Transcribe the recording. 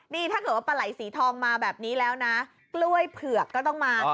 นี่ถ้าเกิดว่าปลาไหล่สีทองมาแบบนี้แล้วนะกล้วยเผือกก็ต้องมา